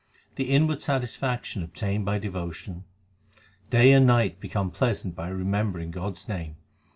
The inward satisfaction obtained by devotion : Day and night become pleasant by remembering God s name.